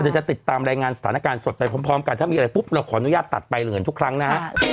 จะติดตามสถานการณ์สดไปทุกครั้งนะ